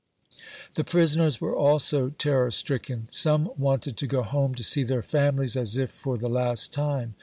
The prisoners were also terror stricken. Some wanted to go home to see their families, as if for the last time.